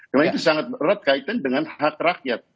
karena itu sangat berat kaitan dengan hak rakyat